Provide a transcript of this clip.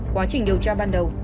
quá trình điều tra ban đầu